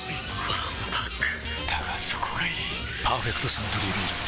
わんぱくだがそこがいい「パーフェクトサントリービール糖質ゼロ」